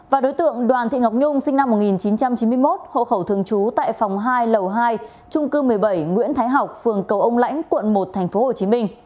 và đối tượng đoàn thị ngọc nhung sinh năm một nghìn chín trăm chín mươi một hộ khẩu thường trú tại phòng hai lầu hai trung cư một mươi bảy nguyễn thái học phường cầu ông lãnh quận một tp hcm